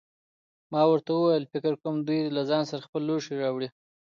ما ورته وویل: فکر کوم چې دوی له ځان سره خپل لوښي راوړي.